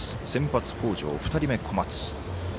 先発、北條、２人目、小松。